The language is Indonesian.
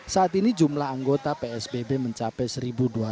saat ini jumlah anggota psbb mencapai satu dua ratus